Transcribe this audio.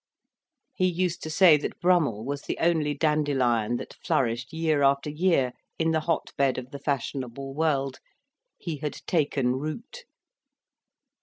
He used to say that Brummell was the only Dandelion that flourished year after year in the hot bed of the fashionable world: he had taken root.